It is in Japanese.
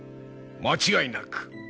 間違いなく。